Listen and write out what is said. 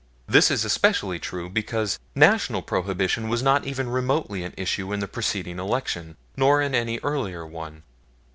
This is especially true because National Prohibition was not even remotely an issue in the preceding election, nor in any earlier one.